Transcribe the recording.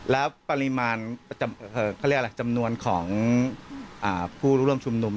แล้วปริมาณเขาเรียกอะไรจำนวนของผู้ร่วมชุมนุม